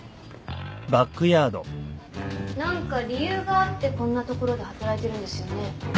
何か理由があってこんな所で働いてるんですよね？